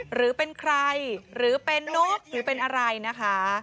หรือเป็นใครหรือเป็นนกหรือเป็นอะไรนะคะ